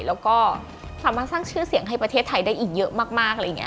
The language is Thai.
แล้วก็สามารถสร้างชื่อเสียงให้ประเทศไทยได้อีกเยอะมากอะไรอย่างนี้